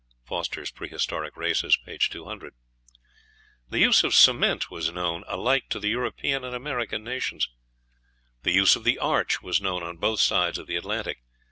(Foster's "Prehistoric Races," p. 200.) The use of cement was known alike to the European and American nations. The use of the arch was known on both sides of the Atlantic.